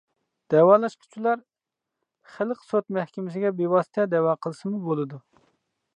دەۋالاشقۇچىلار خەلق سوت مەھكىمىسىگە بىۋاسىتە دەۋا قىلسىمۇ بولىدۇ.